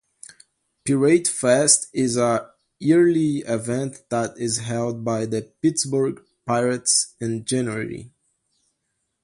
Piratefest is a yearly event that is held by the Pittsburgh Pirates in January.